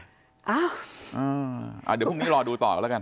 เดี๋ยวพรุ่งนี้รอดูต่อกันแล้วกัน